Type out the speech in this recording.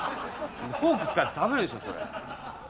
フォーク使って食べるでしょそれ。